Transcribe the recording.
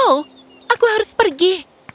oh aku harus pergi